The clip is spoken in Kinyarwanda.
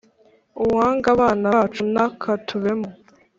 Uwanga abana bacu ntakatubemo